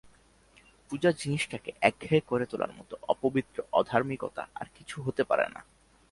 পূজা জিনিসটাকে একঘেয়ে করে তোলার মতো অপবিত্র অধার্মিকতা আর কিছু হতে পারে না।